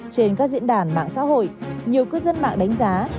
trên các diễn đàn mạng xã hội nhiều cư dân mạng đánh giá